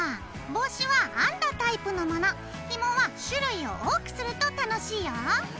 帽子は編んだタイプのものひもは種類を多くすると楽しいよ。